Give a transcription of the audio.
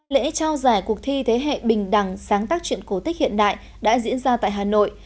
lễ trao giải cuộc thi thế hệ bình đẳng sáng tác chuyện cổ tích hiện đại đã diễn ra tại hà nội